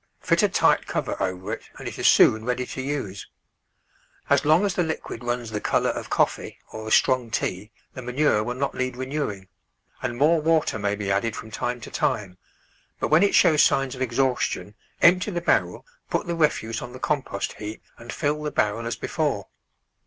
Fit a tight cover over it and it is soon ready to use. As long as the liquid runs the colour of coffee or a strong tea the manure will not need renewing, and more water may be added from time to time, but when it shows signs of exhaustion empty the barrel, put the refuse on the compost heap and fill the barrel as before.